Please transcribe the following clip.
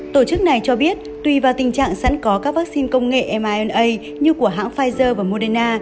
tổ chức này cho biết tùy vào tình trạng sẵn có các vaccine công nghệ myna như của hãng pfizer và moderna